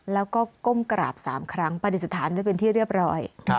แล้วก็ก้มกราบ๓ครั้งปฏิสถานไว้เป็นที่เรียบร้อย